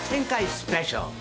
スペシャル！